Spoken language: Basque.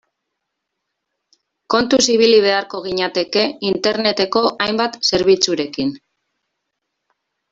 Kontuz ibili beharko ginateke Interneteko hainbat zerbitzurekin.